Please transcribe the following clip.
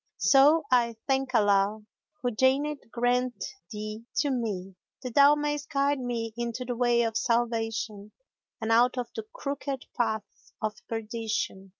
So I thank Allah who deigned grant thee to me, that thou mayst guide me into the way of salvation and out of the crooked paths of perdition."